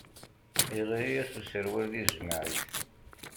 Iɣli-yas userwal di tejmaɛit.